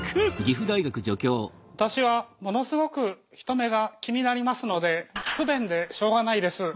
私はものすごく人目が気になりますので不便でしょうがないです。